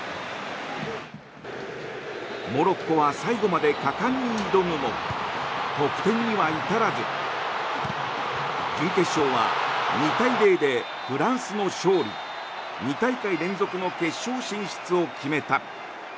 モロッコは最後まで果敢に挑むも得点には至らず準決勝は２対０でフランスの勝利２大会連続の決勝進出を決めた。